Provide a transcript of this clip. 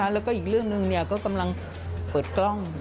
แล้วก็อีกเรื่องหนึ่งก็กำลังเปิดกล้อง